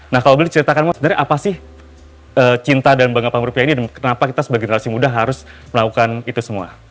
nah kalau boleh diceritakan mas sebenarnya apa sih cinta dan bangga bank rupiah ini dan kenapa kita sebagai generasi muda harus melakukan itu semua